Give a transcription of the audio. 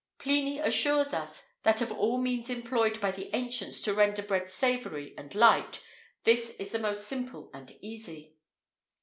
Pliny assures us that of all means employed by the ancients to render bread savoury and light, this is the most simple and easy.